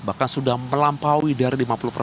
bahkan sudah melampaui dari lima puluh persen